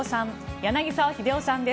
柳澤秀夫さんです